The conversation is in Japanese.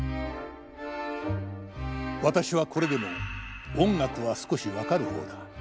「私はこれでも音楽は少し解る方だ。